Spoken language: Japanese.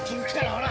ほら！